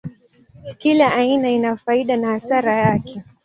Kila aina ina faida na hasara yake.